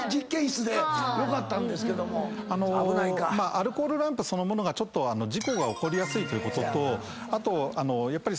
アルコールランプそのものが事故が起こりやすいということとあとやっぱり